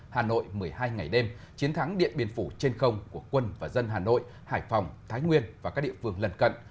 hà nội một mươi hai ngày đêm chiến thắng điện biên phủ trên không của quân và dân hà nội hải phòng thái nguyên và các địa phương lần cận